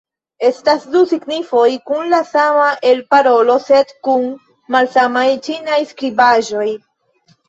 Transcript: Estas du signifoj kun la sama elparolo sed kun malsamaj ĉinaj skribaĵoj.